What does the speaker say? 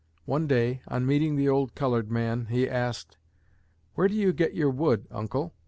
One day, on meeting the old colored man, he asked: "Where do you get your wood, Uncle?"